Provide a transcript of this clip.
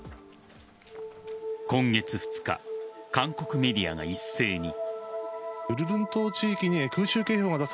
今月２日韓国メディアが一斉に。